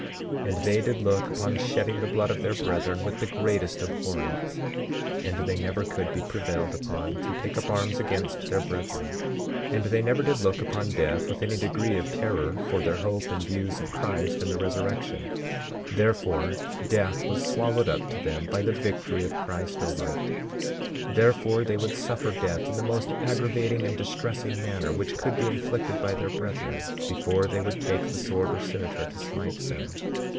27:28 And they did look upon shedding the blood of their brethren with the greatest abhorrence; and they never could be prevailed upon to take up arms against their brethren; and they never did look upon death with any degree of terror, for their hope and views of Christ and the resurrection; therefore, death was swallowed up to them by the victory of Christ over it. 27:29 Therefore, they would suffer death in the most aggravating and distressing manner which could be inflicted by their brethren, before they would take the sword or cimeter to smite them.